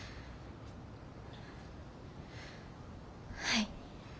はい。